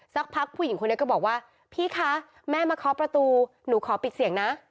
สักพักผู้หญิงคนนี้ก็บอกว่าพี่คะแม่มาเคาะประตูหนูขอปิดเสียงนะ